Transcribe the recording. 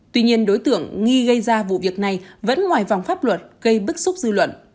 tuy nhiên đối tượng nghi gây ra vụ việc này vẫn ngoài vòng pháp luật gây bức xúc dư luận